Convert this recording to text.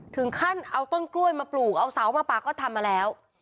ถึงขั้นเอาต้นกล้วยมาปลูกเอาเสามาปากก็ทำมาแล้ว